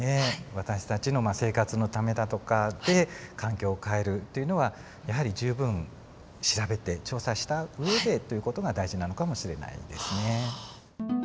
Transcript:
私たちの生活のためだとかで環境を変えるっていうのはやはり十分調べて調査した上でという事が大事なのかもしれないですね。